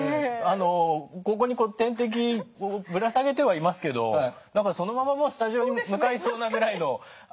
ここに点滴をぶら下げてはいますけどそのままスタジオに向かいそうなぐらいの足取りですもんね。